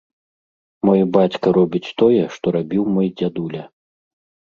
Мой бацька робіць тое, што рабіў мой дзядуля.